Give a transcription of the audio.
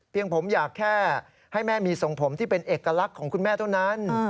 ผมอยากแค่ให้แม่มีทรงผมที่เป็นเอกลักษณ์ของคุณแม่เท่านั้น